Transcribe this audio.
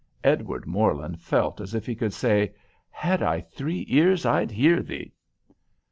Edward Morland felt as if he could say, "Had I three ears I'd hear thee."